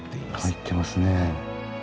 入ってますね。